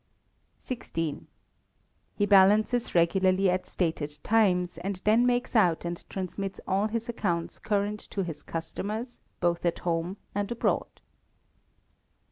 xvi. He balances regularly at stated times, and then makes out and transmits all his accounts current to his customers, both at home and abroad.